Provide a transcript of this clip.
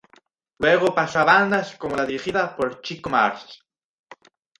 Luego pasó a bandas como la dirigida por Chico Marx.